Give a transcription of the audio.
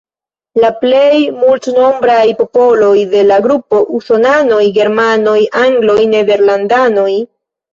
La plej multnombraj popoloj de la grupo: Usonanoj, Germanoj, Angloj, Nederlandanoj.